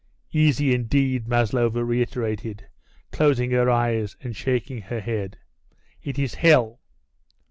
"Easy, indeed," Maslova reiterated, closing her eyes and shaking her head. "It is hell."